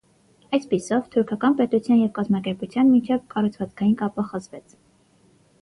Այսպիսով, թուրքական պետության և կազմակերպության միջև կառուցվածքային կապը խզվեց։